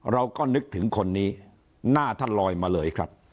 เราก็นึกถึงคนนี้หน้าท่านลอยมาเลยครับ